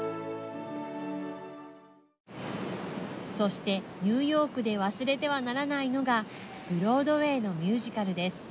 そしてニューヨークで忘れてはならないのがブロードウェイのミュージカルです。